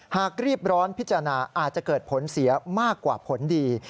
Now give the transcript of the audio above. หากรีบร้อนพิจารณาอาจจะเกิดผลเสียมากกว่าผลดี